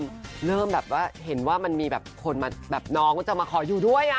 ชื่อว่ามันฉ้นตราสายแบบตัวน้องก็จะมาขออยู่ด้วย